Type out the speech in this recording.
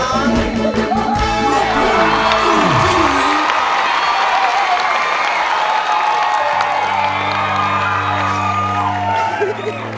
คุณหนุ้ย